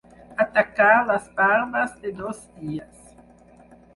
Atacar les barbes de dos dies.